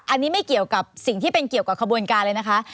อันนี้ไม่เกี่ยวกับสิ่งที่เป็นเกี่ยวกับขบวนการเลยนะคะ